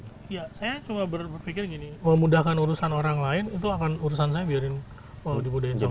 iya saya cuma berpikir gini memudahkan urusan orang lain itu akan urusan saya biarin dimudahin sama